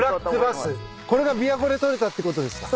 これが琵琶湖で取れたってことですか？